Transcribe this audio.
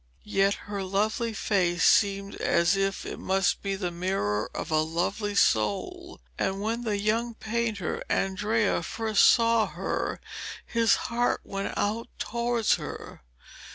Yet her lovely face seemed as if it must be the mirror of a lovely soul, and when the young painter Andrea first saw her his heart went out towards her.